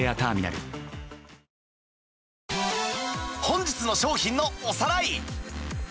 本日の商品のおさらい